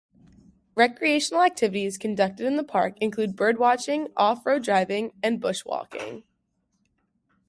Recreational activities conducted in the park include birdwatching, off road driving and bushwalking.